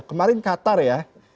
kemarin qatar ya